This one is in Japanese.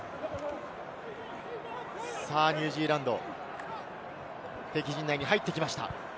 ニュージーランド敵陣に入ってきました。